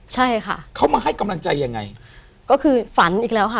ใช่ค่ะเขามาให้กำลังใจยังไงก็คือฝันอีกแล้วค่ะ